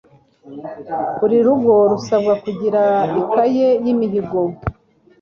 Buri rugo rusabwa kugira ikaye y'imihigo,